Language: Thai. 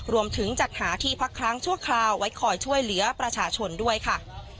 รวมถึงจัดหาที่พักครั้งชั่วคราวไว้คอยช่วยเหลือประชาชนด้วยค่ะ